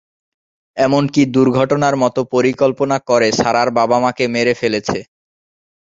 এমনকি দুর্ঘটনার মতো পরিকল্পনা করে সারার বাবা-মা’কে মেরে ফেলেছে।